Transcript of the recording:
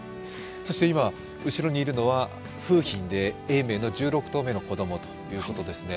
今後ろにいるのは楓浜で、永明の１６頭目の子供ということですね。